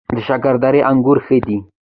د شکردرې انګور ښه دي